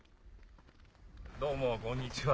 どうもこんにちは。